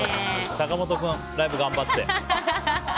坂本君、ライブ頑張って。